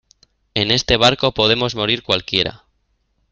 en este barco podemos morir cualquiera